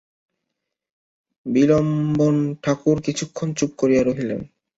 বিল্বন ঠাকুর কিছুক্ষণ চুপ করিয়া রহিলেন।